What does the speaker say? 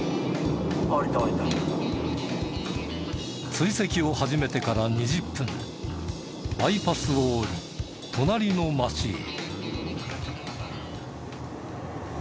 追跡を始めてから２０分バイパスを降り隣の街へ。